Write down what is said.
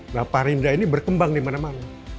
nah parinda ini berkembang di mana mana